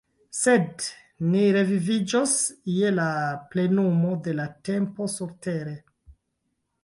Sed ni reviviĝos je la plenumo de la tempo surtere.